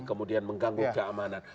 kemudian mengganggu keamanan